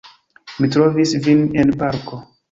Mi trovis vin en parko!